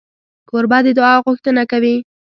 کوربه د دعا غوښتنه کوي.